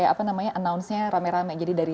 apa namanya announce nya rame rame jadi dari